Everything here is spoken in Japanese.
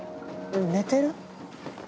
寝てる？